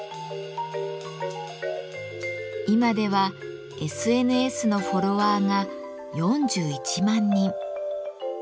今ではＳＮＳのフォロワーが４１万人。